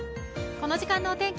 この時間のお天気